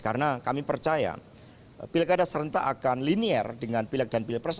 karena kami percaya pilkada serentak akan linier dengan pilek dan pilpres